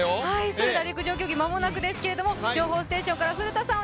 それでは陸上競技間もなくですけれども情報ステーションから古田さん